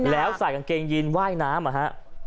แล้วใส่กางเกงยีนว่ายน้ำอะฮะ